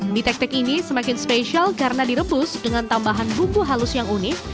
mie tek tek ini semakin spesial karena direbus dengan tambahan bumbu halus yang unik